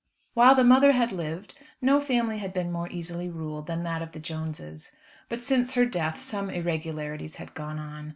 While the mother had lived no family had been more easily ruled than that of the Jones's, but since her death some irregularities had gone on.